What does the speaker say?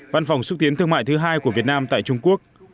văn phòng xúc tiến thương mại thứ hai của việt nam tại trung quốc